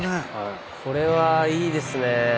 これはいいですね。